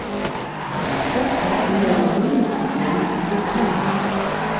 Das war in der Marineführung bekannt.